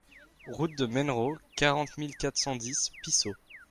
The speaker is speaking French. Route de Menroux, quarante mille quatre cent dix Pissos